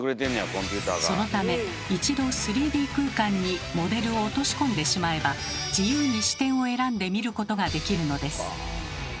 そのため一度３Ｄ空間にモデルを落とし込んでしまえば自由に視点を選んで見ることができるのです。